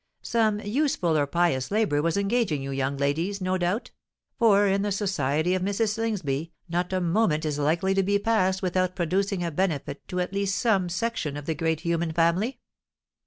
"Some useful or pious labour was engaging you, young ladies, no doubt;—for, in the society of Mrs. Slingsby, not a moment is likely to be passed without producing a benefit to at least some section of the great human family."